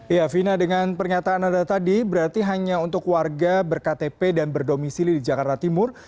ya vina dengan pernyataan anda tadi berarti hanya untuk warga berktp dan berdomisili di jakarta timur